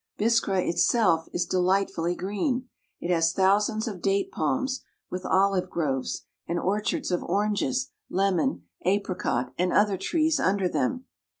Biskra itself is delightfully green. It has thousands of date palms, with olive groves and orchards of orange, 6o AFRICA lemon, apricot, and other trees under them.